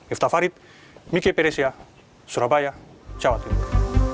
yftafarit miki peresia surabaya jawa tenggara